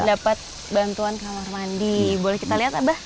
dapat bantuan kamar mandi boleh kita lihat abah